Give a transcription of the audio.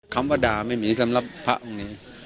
คำว่าด่าไม่มีสำหรับพระองค์นี้